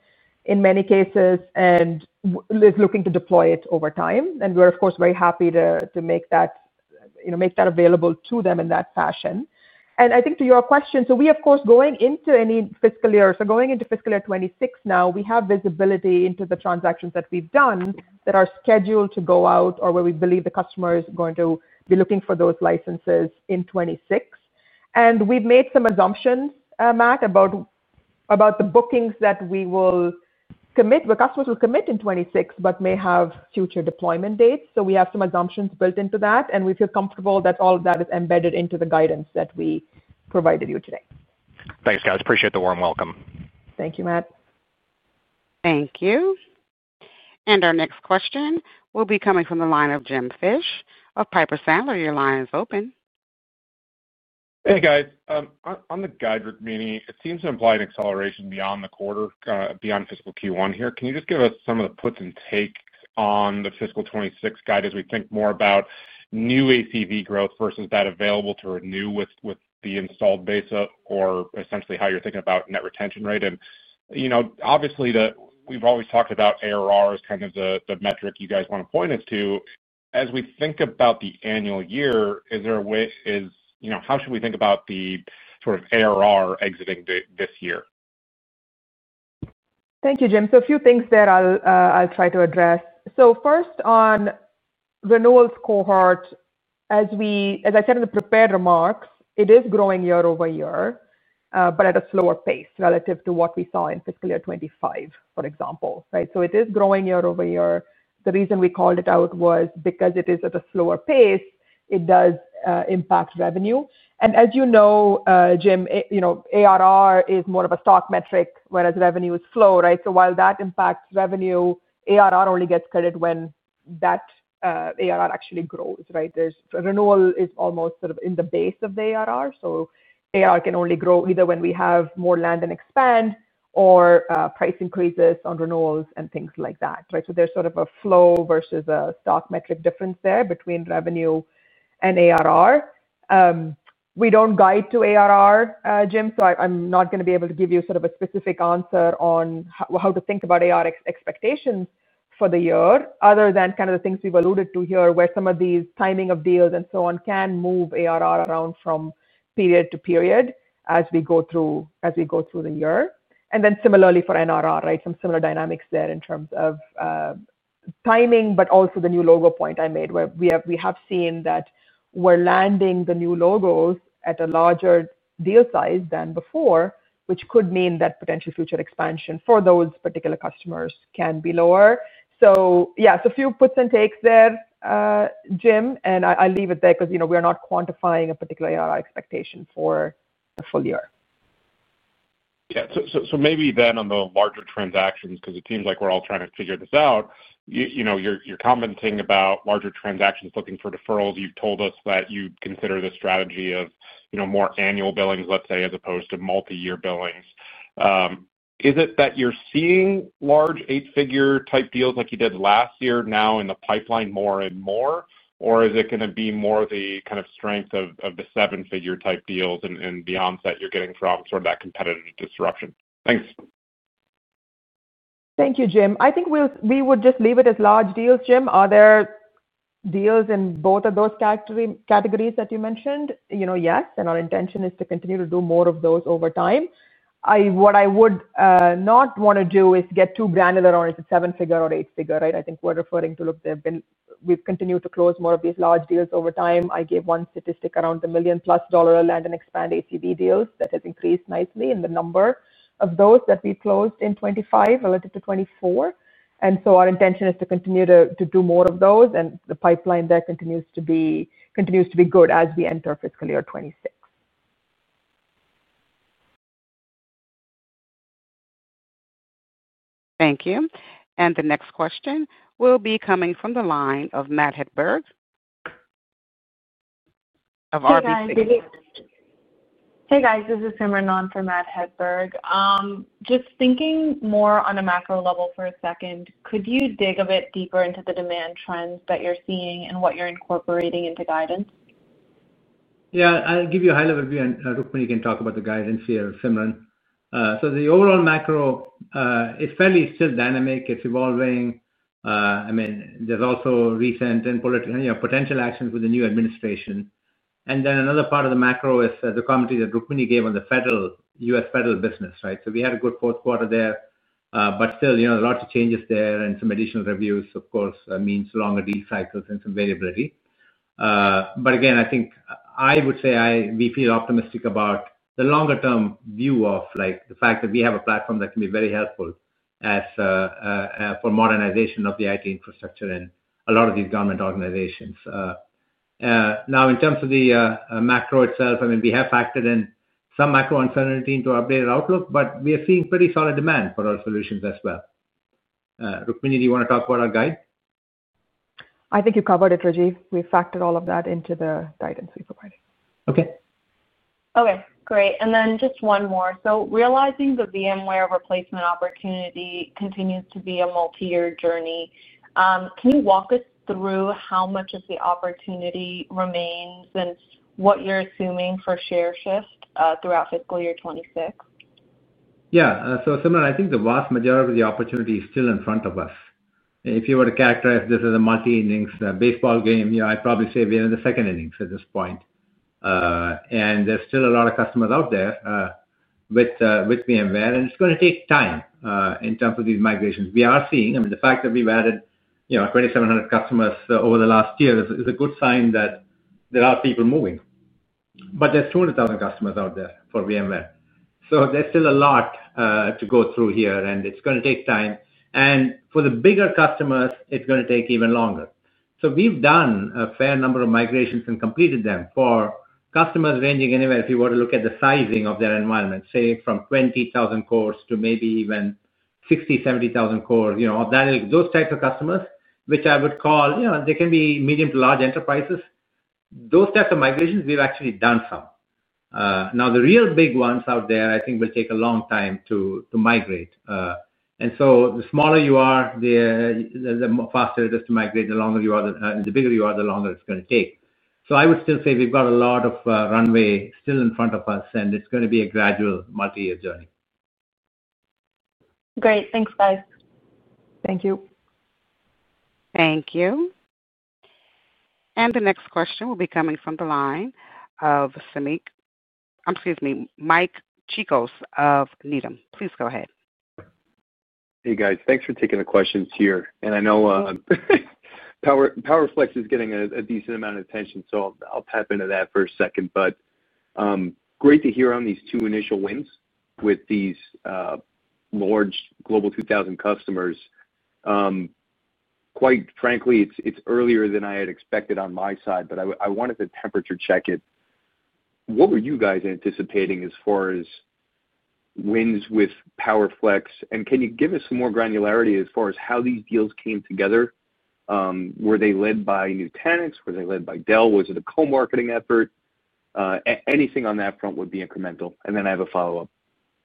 in many cases and is looking to deploy it over time. We're of course very happy to make that available to them in that fashion. To your question, we of course, going into fiscal year 2026 now, have visibility into the transactions that we've done that are scheduled to go out or where we believe the customer is going to be looking for those licenses in 2026. We've made some assumptions, Matt, about the bookings that we will commit, the customers will commit in 2026, but may have future deployment dates. We have some assumptions built into that and we feel comfortable that all of that is embedded into the guidance that we provided you today. Thanks, guys. Appreciate the warm welcome. Thank you, Matt. Thank you. Our next question will be coming from the line of Jim Fish of Piper Sandler. Your line is open. Hey guys. On the guide, Rukmini, it seems to imply an acceleration beyond the quarter, beyond fiscal Q1 here. Can you just give us some of the puts and takes on the fiscal 2026 guide as we think more about new ACV growth versus that available to renew with the installed base up or essentially how you're thinking about net retention rate? You know, obviously that we've always talked about ARR as kind of the metric you guys want to point us to as we think about the annual year. Is there a way, you know, how should we think about the sort of ARR exiting this year? Thank you, Jim. A few things that I'll try to address. First on renewals cohort, as I said in the prepared remarks, it is growing year-over-year, but at a slower pace relative to what we saw in fiscal year 2025, for example. It is growing year-over-year. The reason we called it out was because it is at a slower pace. It does impact revenue. As you know, Jim, ARR is more of a stock metric, whereas revenue is flow. While that impacts revenue, ARR only gets credit when that ARR actually grows. There's renewal almost sort of in the base of the ARR. ARR can only grow either when we have more land-and-expand or price increases on renewals and things like that. There's sort of a flow versus a stock metric difference there between revenue and ARR. We don't guide to ARR, Jim. I'm not going to be able to give you a specific answer on how to think about ARR expectations for the year other than kind of the things we've alluded to here where some of these timing of deals and so on can move ARR around from period to period as we go through the year. Similarly for NRR, some similar dynamics there in terms of timing. Also the new logo point I made where we have seen that we're landing the new logos at a larger deal size than before, which could mean that potential future expansion for those particular customers can be lower. Yes, a few puts and takes there, Jim. I leave it there because you know, we are not quantifying a particular expectation for the full year. Yeah. Maybe then on the larger transactions, because it seems like we're all trying to figure this out. You're commenting about larger transactions looking for deferrals. You've told us that you consider the strategy of more annual billings, let's say, as opposed to multi-year billings. Is it that you're seeing large eight-figure type deals like you did last year now in the pipeline more and more, or is it going to be more the kind of strength of the seven-figure type deals and beyond that you're getting from sort of that competitive disruption? Thanks. Thank you, Jim. I think we would just leave it as large deals. Jim, are there deals in both of those categories that you mentioned? Yes, and our intention is to continue to do more of those over time. What I would not want to do is get too granular on is it seven figure or eight figure? Right. I think we're referring to. Look, we've continued to close more of these large deals over time. I gave one statistic around the million plus dollar land-and-expand ACB deals that has increased nicely in the number of those that we closed in 2025 relative to 2024. Our intention is to continue to do more of those and the pipeline there continues to be good as we enter fiscal year 2026. Thank you. The next question will be coming from the line of Matt Hedberg. Of RBC. Hey guys, this is Simran on for Matt Hedberg. Just thinking more on a macro level for a second, could you dig a bit deeper into the demand trends that you're seeing and what you're incorporating into guidance? Yeah, I'll give you a high-level view, and Rukmini can talk about the guidance here, Simran. The overall macro is fairly still dynamic. It's evolving. I mean, there's also recent and potential actions with the new administration. Another part of the macro is the commentary that Rukmini gave on the U.S. federal business. We had a good fourth quarter there, but still, you know, lots of changes there and some additional reviews, of course, means longer D cycles and some variability. Again, I think I would say we feel optimistic about the longer-term view of the fact that we have a platform that can be very helpful for modernization of the IT infrastructure in a lot of these government organizations. Now, in terms of the macro itself, we have factored in some macro uncertainty into our data outlook, but we are seeing pretty solid demand for our solutions as well. Rukmini, do you want to talk about our guide? I think you covered it, Rajiv. We factored all of that into the guidance we provided. Okay, great. Just one more. Realizing the VMware replacement opportunity continues to be a multi-year journey, can you walk us through how much of the opportunity remains and what you're assuming for share shift throughout fiscal year 2026? Yeah. Simran, I think the vast majority of the opportunity is still in front of us. If you were to characterize this as a multi innings baseball game, I'd probably say we're in the second innings at this point, and there's still a lot of customers out there with VMware, and it's going to take time in terms of these migrations we are seeing. The fact that we've added 2,700 customers over the last year is a good sign that there are people moving. There are 200,000 customers out there for VMware, so there's still a lot to go through here, and it's going to take time. For the bigger customers, it's going to take even longer. We've done a fair number of migrations and completed them for customers ranging anywhere, if you want to look at the sizing of their environment, say from 20,000 cores to maybe even 60,000 or 70,000 cores. Those types of customers, which I would call medium to large enterprises, those types of migrations, we've actually done some now. The real big ones out there I think will take a long time to migrate. The smaller you are, the faster it is to migrate. The bigger you are, the longer it's going to take. I would still say we've got a lot of runway still in front of us, and it's going to be a gradual multi-year journey. Great. Thanks, guys. Thank you. The next question will be coming from the line of Mike Chicos of Needham. Please go ahead. Hey guys, thanks for taking the questions here. I know PowerFlex is getting a decent amount of attention, so I'll tap into that for a second. Great to hear on these two initial wins with these large Global 2000 customers. Quite frankly, it's earlier than I had expected on my side, but I wanted to temperature check it. What were you guys anticipating as far as wins with PowerFlex? Can you give us some more granularity as far as how these deals came together? Were they led by Nutanix, were they led by Dell? Was it a co-marketing effort? Anything on that front would be incremental. I have a follow up.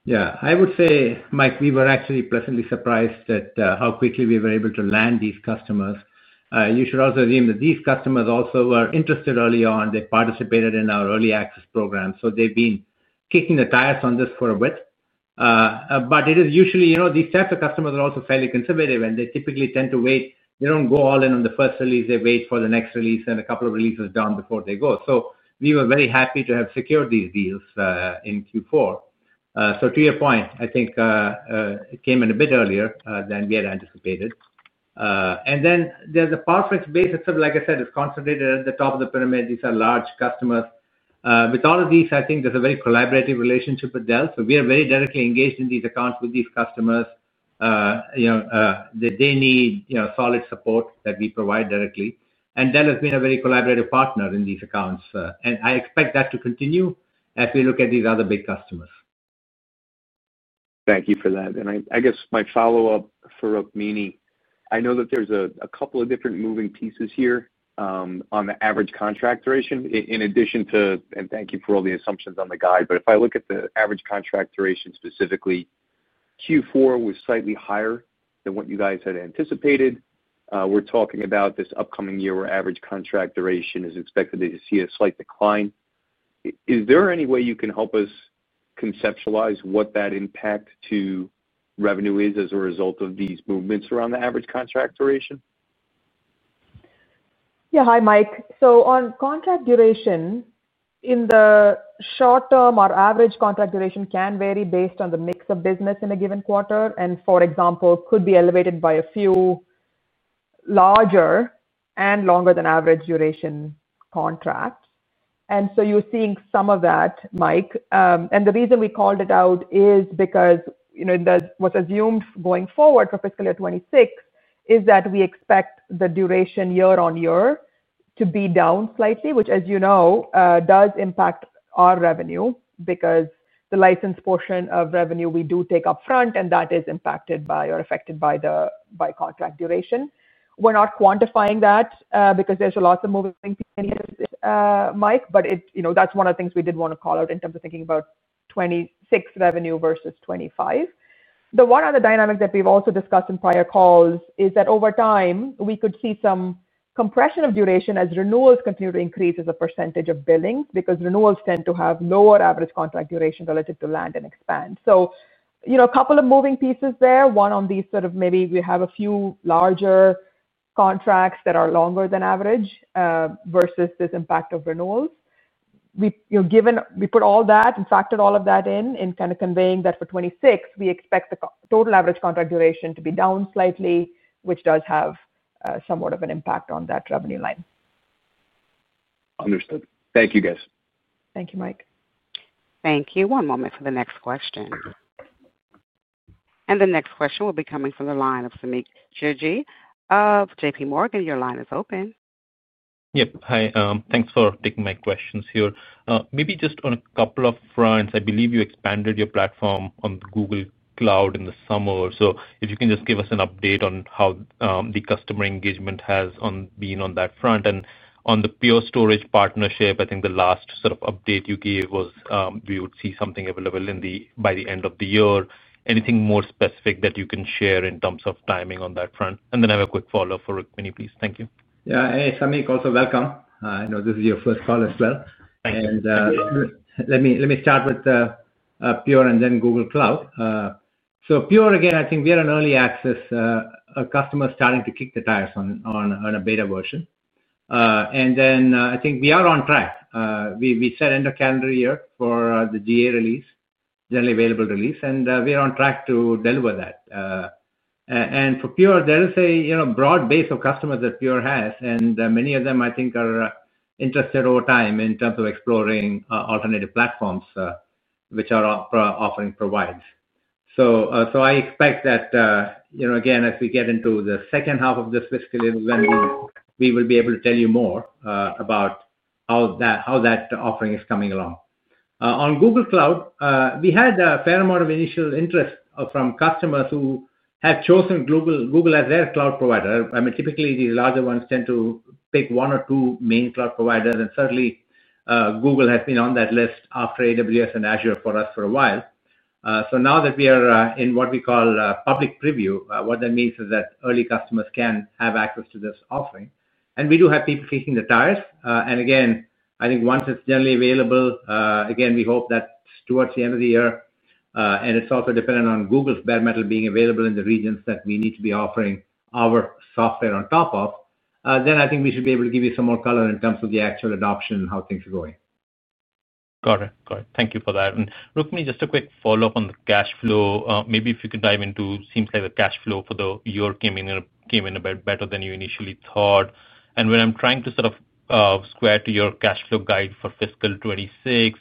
Yeah, I would say, Mike, we were actually pleasantly surprised at how quickly we were able to land these customers. You should also assume that these customers also were interested early on. They participated in our early access program, so they've been kicking the tires on this for a bit. It is usually, you know, these tests for customers are also fairly conservative and they typically tend to wait. They don't go all in on the first release, they wait for the next release and a couple of releases down before they go. We were very happy to have secured these deals in Q4. To your point, I think it came in a bit earlier than we had anticipated. There's a PowerFlex base itself. Like I said, it's concentrated at the top of the pyramid. These are large customers. With all of these, I think there's a very collaborative relationship with Dell. We are very directly engaged in these accounts with these customers. They need solid support that we provide directly, and Dell has been a very collaborative partner in these accounts. I expect that to continue as we look at these other big customers. Thank you for that. I guess my follow up for Rukmini. I know that there's a couple of different moving pieces here on the average contract duration in addition to, and thank you for all the assumptions on the guide. If I look at the average contract duration specifically, Q4 was slightly higher than what you guys had anticipated. We're talking about this upcoming year where average contract duration is expected to see a slight decline. Is there any way you can help us conceptualize what that impact to revenue is as a result of these movements around the average contract duration? Yeah. Hi, Mike. On contract duration in the short term, our average contract duration can vary based on the mix of business in a given quarter and, for example, could be elevated by a few larger and longer than average duration contracts. You're seeing some of that, Mike. The reason we called it out is because what's assumed going forward for fiscal year 2026 is that we expect the duration year on year to be down slightly, which, as you know, does impact our revenue because the license portion of revenue we do take up front and that is impacted by, or affected by, contract duration. We're not quantifying that because there's a lot of moving pieces, Mike. That's one of the things we did want to call out in terms of thinking about 2026 revenue versus 2025. The one other dynamic that we've also discussed in prior calls is that over time we could see some compression of duration as renewals continue to increase as a percentage of billing, because renewals tend to have lower average contract duration related to land-and-expand. A couple of moving pieces there. One, maybe we have a few larger contracts that are longer than average versus this impact of renewals. Given we put all that and factored all of that in, we're conveying that for 2026, we expect the total average contract duration to be down slightly, which does have somewhat of an impact on that revenue line. Understood. Thank you, guys. Thank you, Mike. Thank you. One moment for the next question. The next question will be coming from the line of Samik Chatterjee of JPMorgan. Your line is open. Yep. Hi. Thanks for taking my questions. Here, maybe just on a couple of fronts. I believe you expanded your platform on Google Cloud in the summer. If you can just give us an update on how the customer engagement has been on that front and on the Pure Storage partnership. I think the last sort of update you gave was we would see something available by the end of the year. Anything more specific that you can share in terms of timing on that front and then I have a quick follow up for Rukmini, please. Thank you. Yeah. Hey Samik. Also welcome. I know this is your first call as well. Thank you. Let me start with Pure and then Google Cloud. Pure again, I think we are in early access, a customer starting to kick the tires on a beta version and I think we are on track. We set end of calendar year for the GA release, generally available release, and we are on track to deliver that. For Pure, there is a broad base of customers that Pure has and many of them I think are interested over time in terms of exploring alternative platforms which our offering provides. I expect that as we get into the second half of this fiscal year we will be able to tell you more about how that offering is coming along. On Google Cloud, we had a fair amount of initial interest from customers who have chosen Google as their cloud provider. Typically these larger ones tend to pick one or two main cloud providers and certainly Google has been on that list after AWS and Azure for us for a while. Now that we are in what we call public preview, what that means is that early customers can have access to this offering and we do have people kicking the tires. I think once it's generally available, we hope that towards the end of the year, and it's also dependent on Google's bare metal being available in the regions that we need to be offering our software on top of, then we should be able to give you some more color in terms of the actual adoption, how things are going. Got it. Thank you for that. Rukmini, just a quick follow up on the cash flow maybe if you could dive into. Seems like the cash flow for the year came in a bit better than you initially thought. When I'm trying to sort of square to your cash flow guide for fiscal 2026,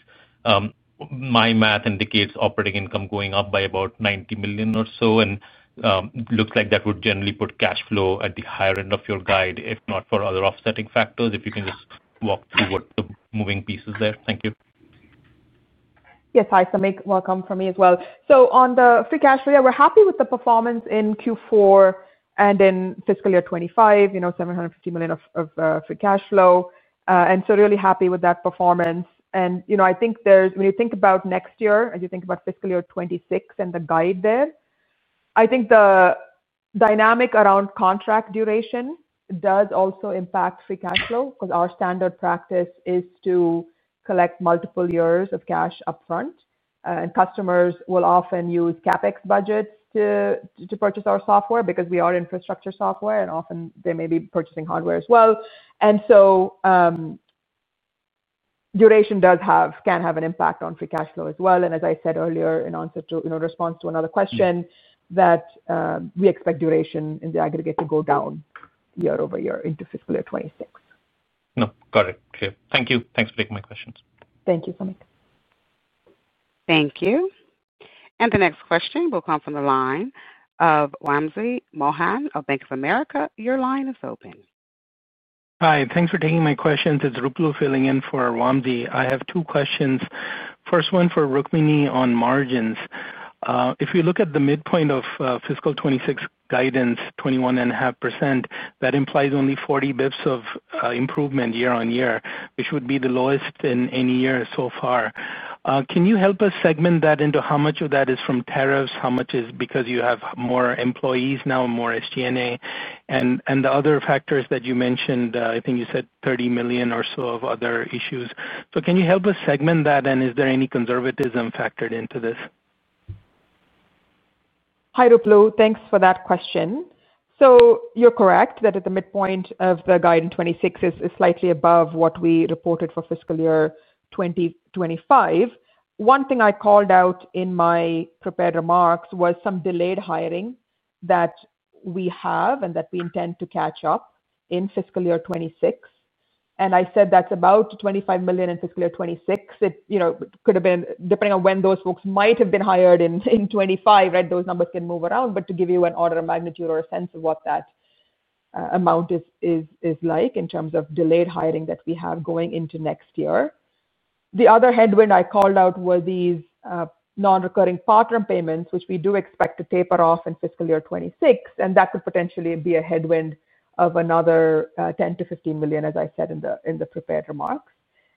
my math indicates operating income going up by about $90 million or so and looks like that would generally put cash flow at the higher end of your guide if not for other offsetting factors. If you can just walk through what the moving pieces are there. Thank you. Yes. Hi Samik, welcome from me as well. On the free cash, we are happy with the performance in Q4 and in fiscal year 2025, you know, $750 million of free cash flow. Really happy with that performance. I think when you think about next year, as you think about fiscal year 2026 and the guide there, the dynamic around contract duration does also impact free cash flow because our standard practice is to collect multiple years of cash upfront and customers will often use CapEx budget to purchase our software because we are infrastructure software and often they may be purchasing hardware as well. Duration can have an impact on free cash flow as well. As I said earlier in response to another question, we expect duration in the aggregate to go down year-over-year into fiscal year 2026. No, got it. Thank you. Thanks for taking my questions. Thank you. Thank you. The next question will come from the line of Wamsi Mohan of Bank of America. Your line is open. Hi, thanks for taking my questions. It's Ruplu filling in for Wamsi. I have two questions. First, one for Rukmini on margins, if you look at the midpoint of fiscal 2024 guidance 21.5%, that implies only 40 bps of improvement year on year, which would be the lowest in any year so far. Can you help us segment that into how much of that is from tariffs, how much is because you have more employees now, more SG&A, and the other factors that you mentioned. I think you said $30 million or so of other issues. Can you help us segment that and is there any conservatism factored into this? Hi Ruplu, thanks for that question. You're correct that at the midpoint of the guidance, 2026 is slightly above what we reported for fiscal year 2025. One thing I called out in my prepared remarks was some delayed hiring that we have and that we intend to catch up in fiscal year 2026. I said that's about $25 million in fiscal year 2026. It could have been depending on when those folks might have been hired in 2025. Those numbers can move around, but to give you an order of magnitude or a sense of what that amount is like in terms of delayed hiring that we have going into next year. The other headwind I called out were these non-recurring partner payments, which we do expect to taper off in fiscal year 2026, and that could potentially be a headwind of another $10 million-$15 million, as I said in the prepared remarks.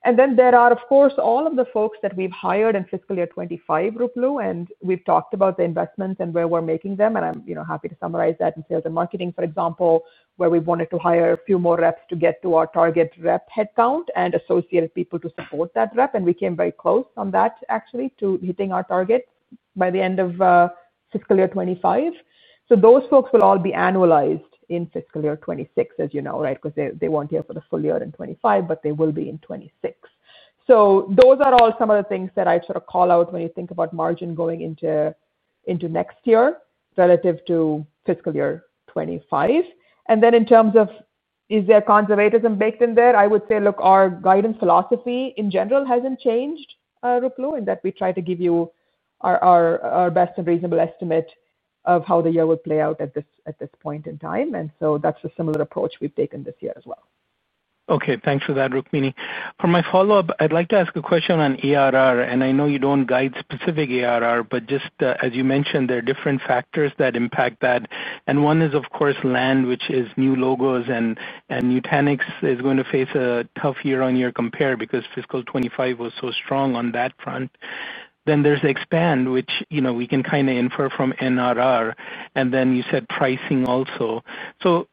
There are, of course, all of the folks that we've hired in fiscal year 2025, Rukmini, and we've talked about the investments and where we're making them. I'm happy to summarize that in sales and marketing, for example, where we wanted to hire a few more reps to get to our target rep headcount and associated people to support that rep. We came very close on that actually to hitting our target by the end of fiscal year 2025. Those folks will all be annualized in fiscal year 2026, as you know, because they weren't here for the full year in 2025, but they will be in 2026. Those are all some of the things that I sort of call out when you think about margin going into next year relative to fiscal year 2025. In terms of is there conservatism baked in there, I would say look, our guidance philosophy in general hasn't changed, Ruplu, in that we try to give you our best and reasonable estimate of how the year will play out at this point in time. That's a similar approach we've. Taken this year as well. Okay, thanks for that, Rukmini. For my follow up, I'd like to ask a question on ARR, and I know you don't guide specific ARR, but just as you mentioned, there are different factors that impact that, and one is of course land, which is new logos, and Nutanix is going to face a tough year-on-year compare because fiscal 2025 was so strong on that front. There's expand, which we can kind of infer from NRR, and then you said pricing also.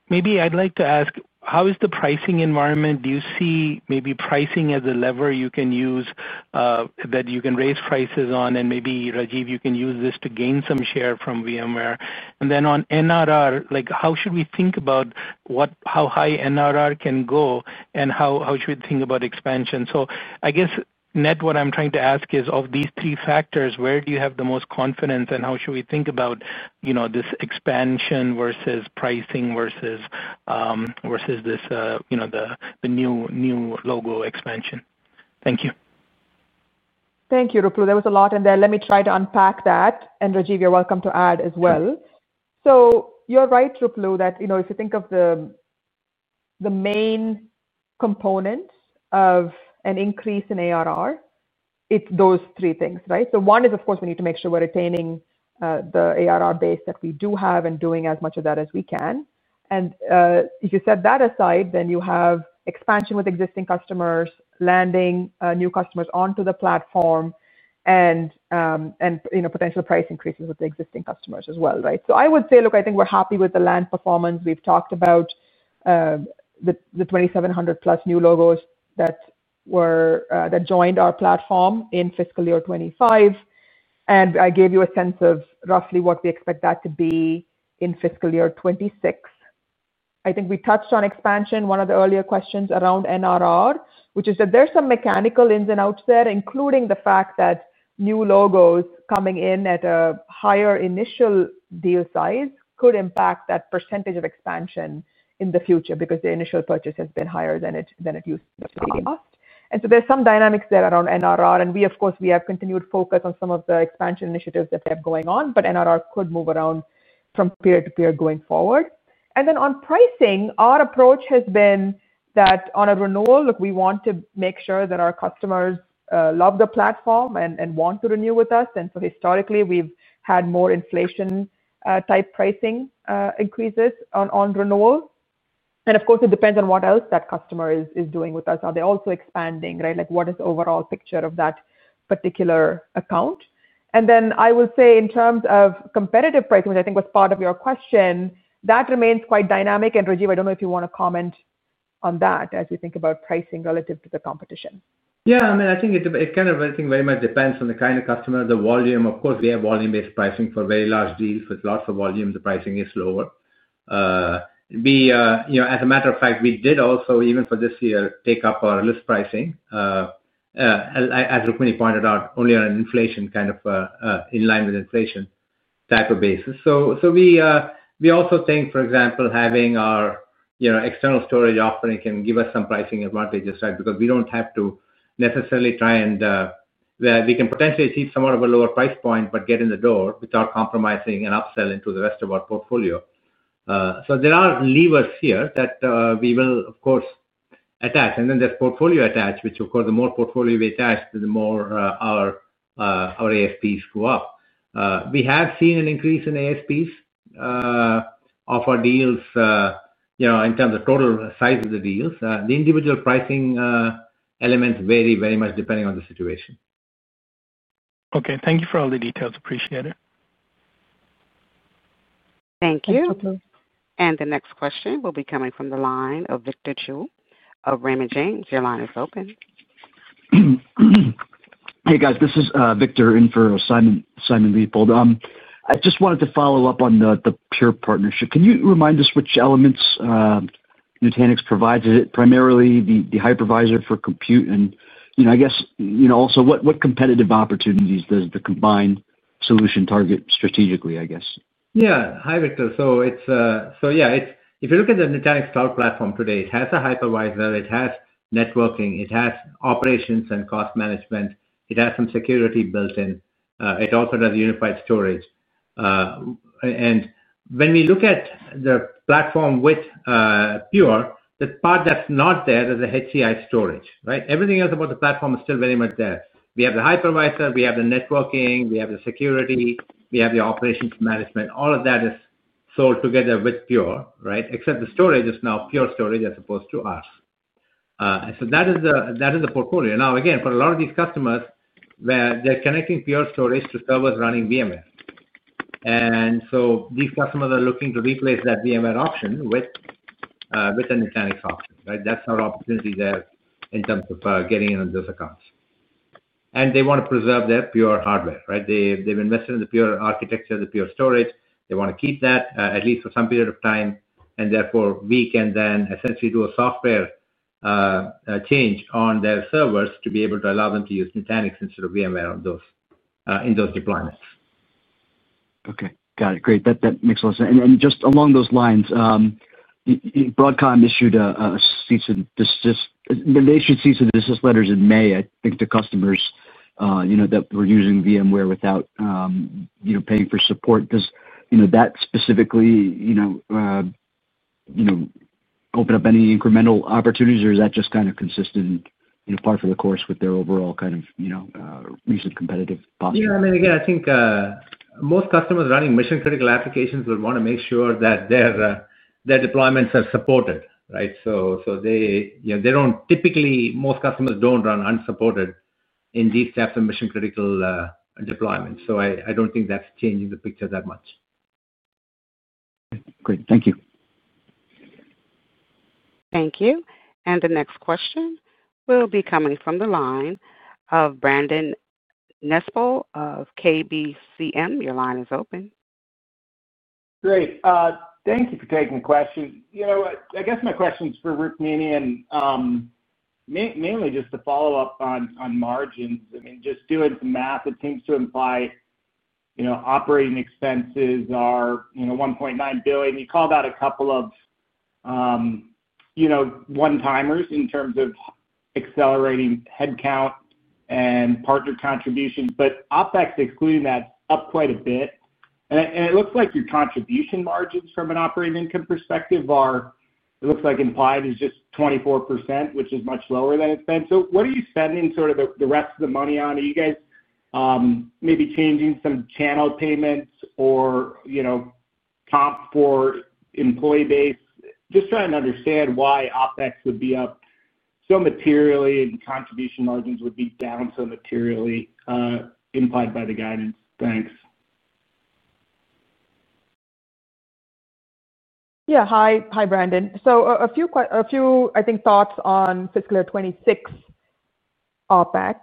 Maybe I'd like to ask, how is the pricing environment? Do you see maybe pricing as a lever you can use, that you can raise prices on? Maybe, Rajiv, you can use this to gain some share from VMware. On NRR, how should we think about how high NRR can go, and how should we think about expansion? I guess net, what I'm trying to ask is, of these three factors, where do you have the most confidence, and how should we think about this? Expansion versus pricing versus new logo expansion. Thank you. Thank you, Rukmini. There was a lot in there. Let me try to unpack that. Rajiv, you're welcome to add as well. You're right, Rukmini, that if you think of the main component of an increase in ARR, it's those three things, right? One is, of course, we need to make sure we're retaining the ARR base that we do have and doing as much of that as we can. If you set that aside, then you have expansion with existing customers, landing new customers onto the platform, and potential price increases with the existing customers as well. I would say, look, I think we're happy with the land performance. We've talked about the 2,700+ new logos that joined our platform in fiscal year 2025, and I gave you a sense of roughly what we expect that to be in fiscal year 2026. I think we touched on expansion. One of the earlier questions around NRR, which is that there's some mechanical ins and outs there, including the fact that new logos coming in at a higher initial deal size could impact that percentage of expansion in the future because the initial purchase has been higher than it used to be. There's some dynamics there around NRR. We, of course, have continued focus on some of the expansion initiatives that they have going on, but NRR could move around from period to period going forward. On pricing, our approach has been that on a renewal we want to make sure that our customers love the platform and want to renew with us. Historically, we've had more inflation-type pricing increases on renewal. Of course, it depends on what else that customer is doing with us. Are they also expanding? What is the overall picture of that particular account? I will say in terms of competitive pricing, which I think was part of your question, that remains quite dynamic. Rajiv, I don't know if you want to comment on that as you think about pricing relative to the competition. Yeah, I mean, I think it kind. I think very much depends on the kind of customer, the volume. Of course, we have volume-based pricing. For very large deals with lots of volume, the pricing is lower. As a matter of fact, we did also, even for this year, take up our list pricing, as Rukmini pointed out, only on an in line with inflation type of basis. We also think, for example, having our external storage offering can give us some pricing advantages, right, because we don't have to necessarily try and we can potentially achieve somewhat of a lower price point but get in the door without compromising and upselling to the rest of our portfolio. There are levers here that we will, of course, and then there's portfolio attached, which, of course, the more portfolio we attach, the more our ASPs go up. We have seen an increase in ASPs for deals, you know, in terms of total size of the deals. The individual pricing elements vary very much depending on the situation. Okay, thank you for all the details. Appreciate it. Thank you. The next question will be coming from the line of Victor Chiu of Raymond James. Your line is open. Hey, guys, this is Victor in for Simon Leopold. I just wanted to follow up on the Pure Storage partnership. Can you remind us which elements Nutanix provides, primarily the hypervisor for compute, and I guess also what competitive opportunities does the combined solution target? Strategically, I guess. Yeah. Hi, Victor. If you look at the Nutanix Cloud Platform today, it has a hypervisor, it has networking, it has operations and cost management, it has some security built in. It also does unified storage. When we look at the platform with Pure, the part that's not there is HCI storage. Everything else about the platform is still very much there. We have the hypervisor, we have the networking, we have the security, we have the operations management. All of that is sold together with Pure, except the storage is now Pure Storage as opposed to us. That is the portfolio. For a lot of these customers, they're connecting Pure Storage to servers running VMware. These customers are looking to replace that VMware option with Nutanix software that's not there in terms of getting in on those accounts. They want to preserve their Pure hardware. They've invested in the Pure architecture, the Pure Storage. They want to keep that at least for some period of time. Therefore, we can then essentially do a software change on their servers to be able to allow them to use Nutanix instead of VMware in those deployments. Okay, got it. Great. That makes a lot of sense. Just along those lines, Broadcom issued cease and desist letters in May, I think, to customers that were using VMware without paying for support. Does that specifically open up any incremental opportunities or is that just kind of consistent and par for the course with their overall recent competitive? I think most customers running mission critical applications would want to make sure that their deployments are supported. Most customers don't run unsupported in these types of mission critical deployments, so I don't think that's changing the picture that much. Great, thank you. Thank you. The next question will be coming from the line of Brandon Nispel of KBCM. Your line is open. Great. Thank you for taking a question. I guess my question's for Rukmini. Mainly just to follow up on margins. I mean just doing some math, it seems to imply operating expenses are $1.9 billion. You called out a couple of one-timers in terms of accelerating headcount and partner contribution. OpEx excluding that is up quite a bit, and it looks like your contribution margins from an operating income perspective are, it looks like implied is just 24%, which is much lower than it's been. What are you spending sort of the rest of the money on? Are you guys maybe changing some channel payments or comp for employee base? Just trying to understand why OpEx would be up so materially and contribution margins would be down so materially implied by the guidance. Thanks. Hi Brandon. A few thoughts on fiscal year 2026 OpEx.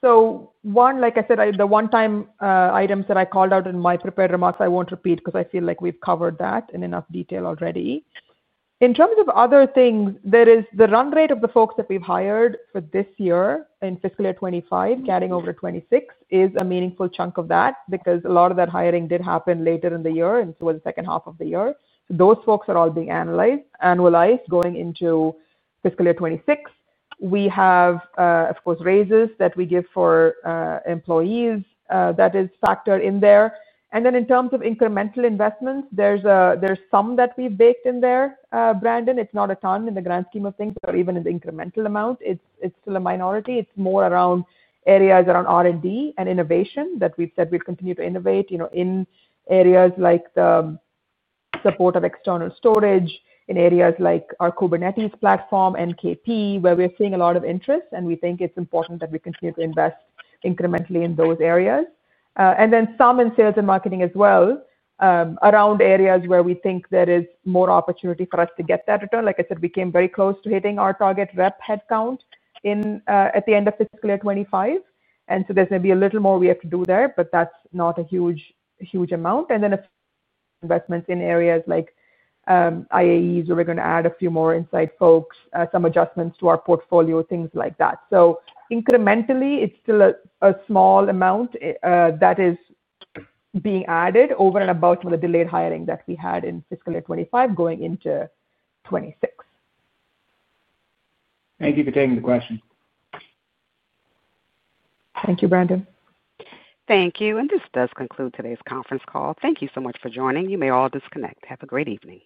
The one-time items that I called out in my prepared remarks I won't repeat because I feel like we've covered that in enough detail already. In terms of other things, there is the run rate of the folks that we've hired for this year in fiscal year 2025 carrying over to 2026. That is a meaningful chunk of that because a lot of that hiring did happen later in the year and the second half of the year. Those folks are all being analyzed. Going into fiscal year 2026, we have, of course, raises that we give for employees. That is factored in there. In terms of incremental investments, there's some that we baked in there, Brandon. It's not a ton in the grand scheme of things or even in the incremental amount. It's still a minority. It's more around areas around R&D and innovation that we've said we've continued to innovate in, areas like the support of external storage, in areas like our Kubernetes platform, NKP, where we're seeing a lot of interest and we think it's important that we continue to invest incrementally in those areas, and then some in sales and marketing as well around areas where we think there is more opportunity for us to get that return. Like I said, we came very close to hitting our target rep headcount at the end of fiscal year 2025, and there's maybe a little more we have to do there, but that's not a huge amount. Investments in areas like IAES, where we're going to add a few more insight folks, some adjustments to our portfolio, things like that. Incrementally, it's still a small amount that is being added over and above from the delayed hiring that we had in fiscal year 2025 going into 2026. Thank you for taking the question. Thank you, Brandon. Thank you. This does conclude today's conference call. Thank you so much for joining. You may all disconnect. Have a great evening.